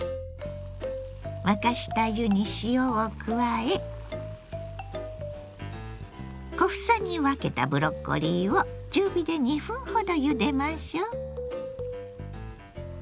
沸かした湯に塩を加え小房に分けたブロッコリーを中火で２分ほどゆでましょう。